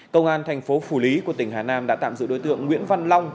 công an thành phố phủ lý của tỉnh hà nam đã tạm giữ đối tượng nguyễn văn long